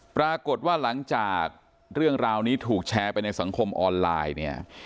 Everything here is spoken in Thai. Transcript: ปรากฏว่าหลังจากเรื่องราวนี้ถูกแชร์ไปในสังคมออนไลน์เนี่ย